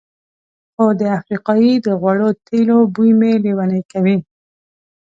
خو د افریقایي د غوړو تېلو بوی مې لېونی کوي.